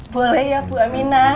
boleh ya bu aminah